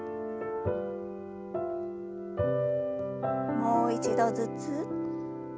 もう一度ずつ。